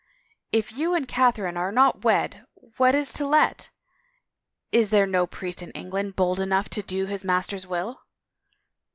If you and Catherine are not wed what is to let? Is there no priest in England bold enough to do his master's will